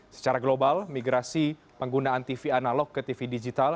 secara global migrasi penggunaan tv analog ke tv digital